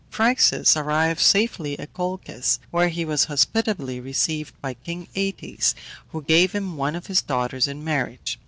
Phryxus arrived safely at Colchis, where he was hospitably received by king Aëtes, who gave him one of his daughters in marriage.